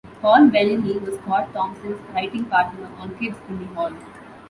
Paul Bellini was Scott Thompson's writing partner on Kids in the Hall.